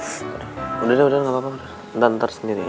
sedikit lagi udah udah ntar sendiri